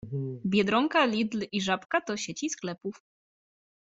Biedronka, Lidl i Żabka to sieci sklepów.